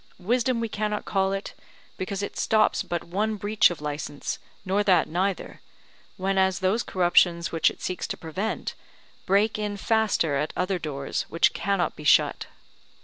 Wisdom we cannot call it, because it stops but one breach of licence, nor that neither: whenas those corruptions, which it seeks to prevent, break in faster at other doors which cannot be shut.